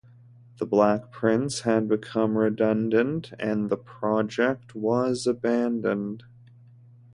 The Black Prince had become redundant and the project was abandoned.